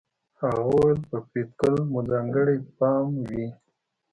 هغه وویل په فریدګل مو ځانګړی پام وي